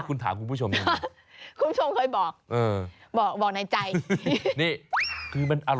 กล้ามท้องอ่ะ